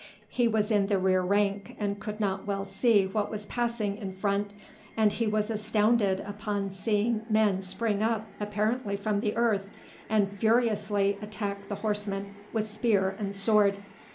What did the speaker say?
He was in the rear rank and could not well see what was passing in front, and he was astounded upon seeing men spring up apparently from the earth and furiously attack the horsemen with spear and sword.